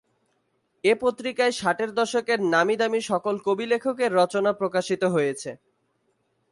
এ পত্রিকায় ষাটের দশকের নামী-দামী সকল কবি-লেখকের রচনা প্রকাশিত হয়েছে।